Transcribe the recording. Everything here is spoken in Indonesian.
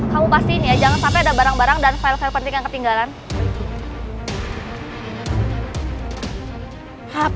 kamu pastiin ya jangan sampai ada barang barang dan file file penting yang ketinggalan